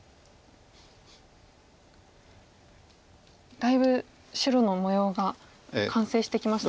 だいぶ白の模様が完成してきました。